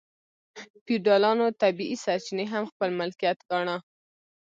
فیوډالانو طبیعي سرچینې هم خپل ملکیت ګاڼه.